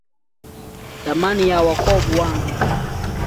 Thamani ya wokovu wangu